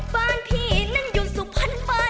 แล้วพี่อุเสาม่า